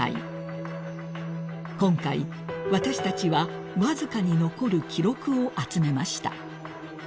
［今回私たちはわずかに残る記録を集めました］